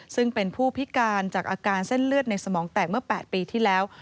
ซึ่งเป็นผู้พิการจากอาการเส้นเลือดในสมองแตกเมื่อ๘ปีที่แล้ว